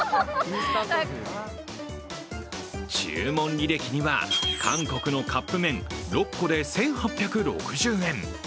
注文履歴には韓国のカップ麺、６個で１８６０円。